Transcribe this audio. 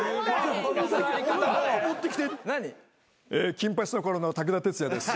『金八』のころの武田鉄矢です。